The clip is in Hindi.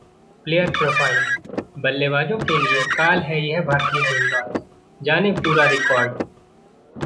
Player Profile: बल्लेबाजों के लिए काल है यह भारतीय गेंदबाज, जानें पूरा रिकॉर्ड